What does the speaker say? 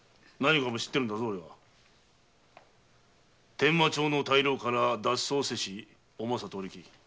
伝馬町の大牢から脱走せしおまさとお力。